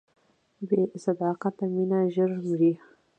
بې صداقته مینه ژر مري.